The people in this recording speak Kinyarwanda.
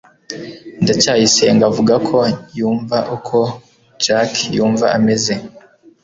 ndacyayisenga avuga ko yumva uko jaki yumva ameze